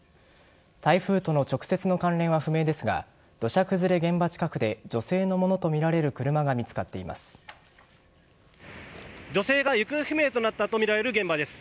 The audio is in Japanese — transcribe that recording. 台風との直接の関連は不明ですが土砂崩れ現場近くで女性の物とみられる車が女性が行方不明となったとみられる現場です。